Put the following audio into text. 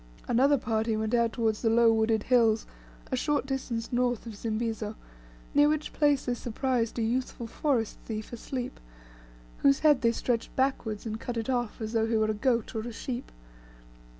Another party went out towards the low wooded hills, a short distance north of Zimbizo, near which place they surprised a youthful forest thief asleep, whose head they stretched backwards, and cut it off as though he were a goat or a sheep.